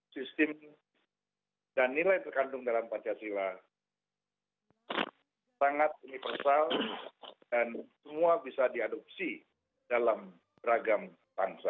sistem dan nilai terkandung dalam pancasila sangat universal dan semua bisa diadopsi dalam beragam bangsa